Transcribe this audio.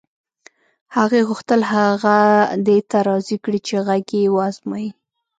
هغې غوښتل هغه دې ته راضي کړي چې غږ یې و ازمایي